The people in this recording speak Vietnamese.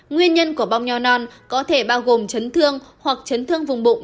nguyên nhân của bom nho non có thể bao gồm chấn thương hoặc chấn thương vùng bụng